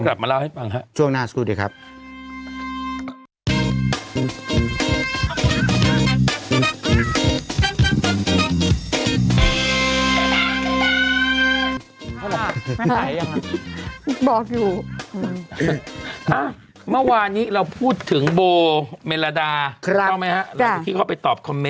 เดี๋ยวกลับมาเล่าให้ฟังครับ